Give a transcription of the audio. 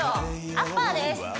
アッパーです